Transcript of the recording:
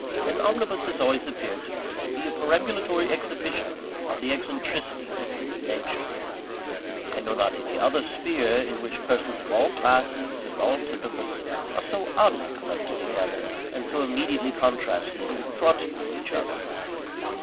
An omnibus has always appeared to me, to be a perambulatory exhibition room of the eccentricities of human nature. I know not any other sphere in which persons of all classes and all temperaments are so oddly collected together, and so immediately contrasted and confronted with each other.